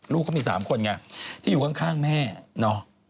ลูกเขามี๓คนไงที่อยู่ข้างแม่เนาะ